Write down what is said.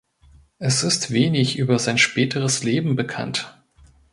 Es ist wenig über sein späteres Leben bekannt.